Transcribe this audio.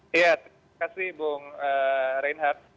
terima kasih bung reinhard